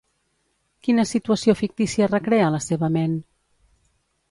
Quina situació fictícia recrea a la seva ment?